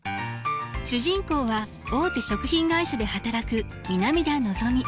主人公は大手食品会社で働く南田のぞみ。